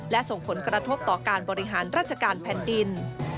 และส่งผลกระทบต่อการบริหารราชการแผ่นดิน